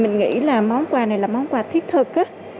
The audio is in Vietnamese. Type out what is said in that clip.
mình nghĩ là món quà này là món quà thiết thực